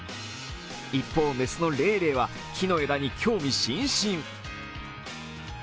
一方、雌のレイレイは木の枝に興味津々。